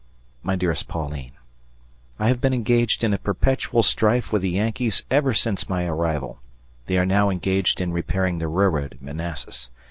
My dearest Pauline: I have been engaged in a perpetual strife with the Yankees ever since my arrival. They are now engaged in repairing the railroad (Manassas).